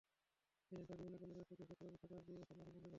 এজেন্টরা বিভিন্ন কেন্দ্র থেকে খুচরা বিক্রেতাদের দিয়ে এসব মাদক বিক্রি করায়।